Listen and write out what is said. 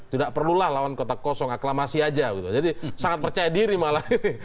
tidak perlulah lawan kota kosong aklamasi aja gitu jadi sangat percaya diri malah